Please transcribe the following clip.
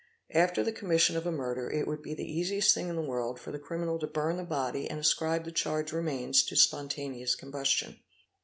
After the commission of a : murder it would be the easiest thing in the world for the criminal to _ burn the body and ascribe the charred remains to spontaneous combustion.